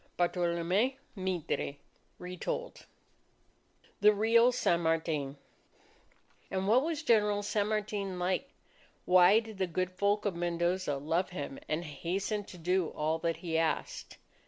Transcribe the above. Bartolome Mitre (Retold) THE REAL SAN MARTIN And what was General San Martin like? Why did the good folk of Mendoza love him and hasten to do all that he asked?